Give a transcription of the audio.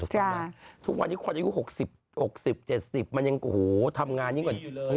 จ้าทุกวันที่คนอายุหกสิบหกสิบเจ็ดสิบมันยังโอ้โหทำงานยังกว่า